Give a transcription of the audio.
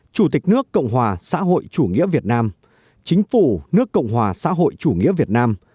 chủ tịch nước cộng hòa xã hội chủ nghĩa việt nam chính phủ nước cộng hòa xã hội chủ nghĩa việt nam